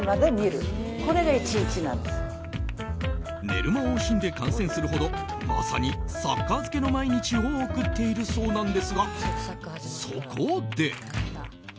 寝る間を惜しんで観戦するほどまさにサッカー漬けの毎日を送っているそうなんですがそこで。